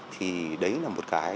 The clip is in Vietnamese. thì đấy là một cái